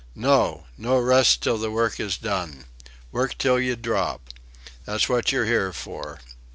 "No! No rest till the work is done. Work till you drop. That's what you're here for."